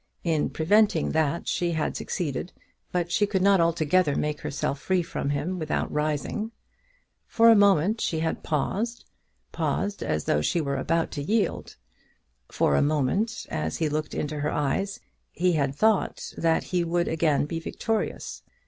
In preventing that she had succeeded, but she could not altogether make herself free from him without rising. For a moment she had paused, paused as though she were about to yield. For a moment, as he looked into her eyes, he had thought that he would again be victorious.